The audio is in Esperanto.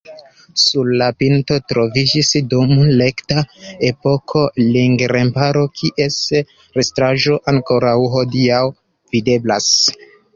Sur la pinto troviĝis dum kelta epoko ring-remparo, kies restaĵoj ankoraŭ hodiaŭ videblas.